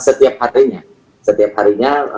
setiap harinya setiap harinya